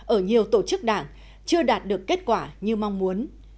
ở nhiều tổ chức đảng chưa đạt được kết quả như mong muốn